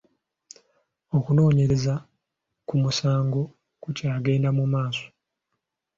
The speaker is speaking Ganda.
Okunoonyereza ku musango ku kyagenda mu maaso.